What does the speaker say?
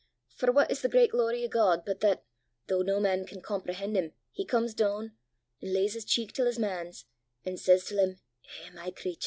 For what is the great glory o' God but, that, though no man can comprehen' him, he comes doon, an' lays his cheek til his man's, an' says til him, 'Eh, my cratur!